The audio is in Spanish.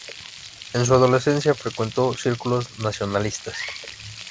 En su adolescencia frecuentó círculos nacionalistas.